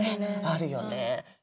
あるよね。